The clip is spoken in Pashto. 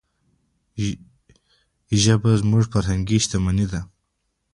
ژبه زموږ فرهنګي شتمني ده.